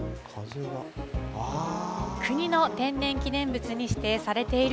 国の天然記念物に指定されている